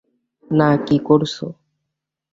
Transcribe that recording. না, কী করছো?